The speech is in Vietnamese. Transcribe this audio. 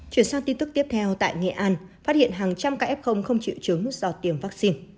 chuyển sang tin tức tiếp theo tại nghệ an phát hiện hàng trăm ca f không chịu chứng do tiêm vaccine